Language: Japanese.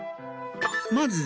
まず。